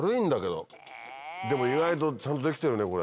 でも意外とちゃんと出来てるねこれ。